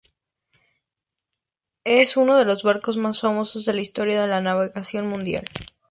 Es uno de los barcos más famosos de la historia de la navegación mundial.